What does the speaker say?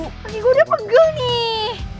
kayaknya gue udah pegel nih